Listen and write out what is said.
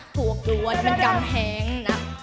พวกหยวนมันกำแหงหนัก